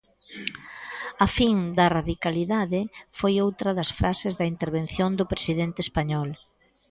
A fin da radicalidade foi outra das frases da intervención do presidente español.